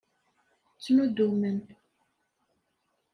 Ttnuddumen.